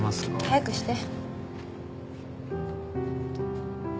早くして。